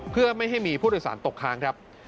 เพื่อไม่ให้มีผู้โดยสารตกค้างครับ